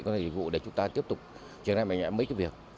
các đơn vị có thể dùng ra để chúng ta tiếp tục trở nên mạnh mẽ mấy cái việc